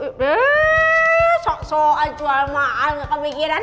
eee sok sokan jual mahal nggak kepikiran